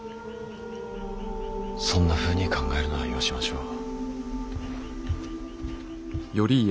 そんなふうに考えるのはよしましょう。